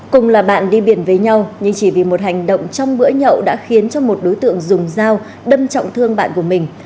cùng là bạn đi biển với nhau nhưng chỉ vì một hành động trong bữa nhậu đã khiến cho một đối tượng dùng dao đâm trọng thương bạn của mình